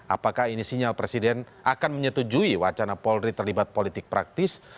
apakah ini sinyal presiden akan menyetujui wacana polri terlibat politik praktis